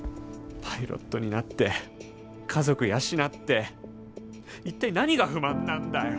パイロットになって家族養って一体何が不満なんだよ。